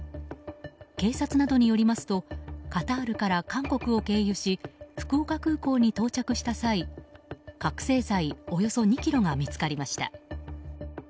警察などによりますとカタールから韓国を経由し福岡空港に到着した際覚醒剤およそ２ｋが見つかりました。